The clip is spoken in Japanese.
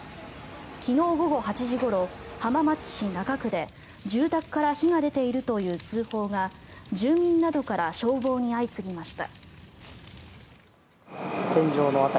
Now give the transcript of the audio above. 昨日午後８時ごろ、浜松市中区で住宅から火が出ているという通報が住民などから消防に相次ぎました。